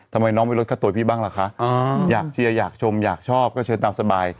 ทำไมน้องไม่ลดค่าตัวพี่บ้างล่ะคะอยากเชียร์อยากชมอยากชอบก็เชิญตามสบาย